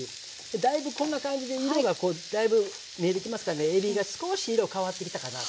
だいぶこんな感じで色がだいぶ見えてきますからねえびが少し色が変わってきたかな。